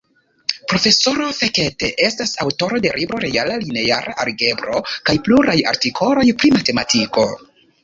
Profesoro Fekete estas aŭtoro de libro Reala Lineara Algebro kaj pluraj artikoloj pri matematiko.